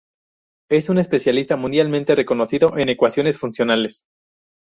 Es un especialista mundialmente reconocido en ecuaciones funcionales.